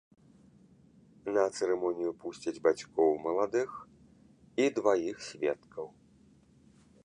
На цырымонію пусцяць бацькоў маладых і дваіх сведкаў.